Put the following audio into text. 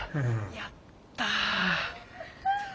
やった！